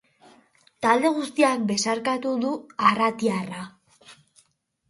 Talde guztiak besarkatu du arratiarra.